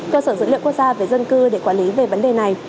cơ sở dữ liệu quốc gia về dân cư để quản lý về vấn đề này